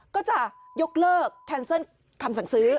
ก็จะยกเลิกแคนเซิลคำสั่งซื้อ